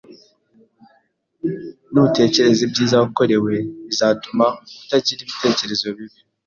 Nutekereza ibyiza wakorewe bizatuma utagira ibitekerezo bibi.